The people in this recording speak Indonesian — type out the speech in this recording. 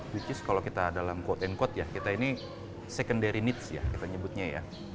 which is kalau kita dalam quote unquote ya kita ini secondary needs ya kita nyebutnya ya